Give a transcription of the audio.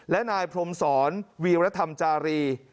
และนายพรมศรวีรธรรมจารี